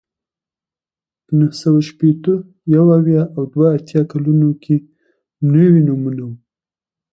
په نهه سوه شپېته، یو اویا او دوه اتیا کلونو کې نوي نومونه وو